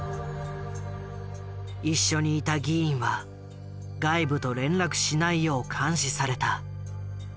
一緒にいた議員は外部と連絡しないよう監視された。